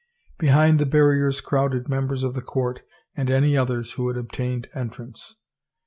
Behind the barriers crowded members of the court and any others who had obtained entrance.